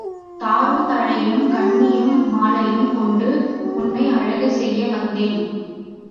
தாரும் தழையும் கண்ணியும் மாலையும் கொண்டு உன்னை அழகு செய்ய வந்தேன்.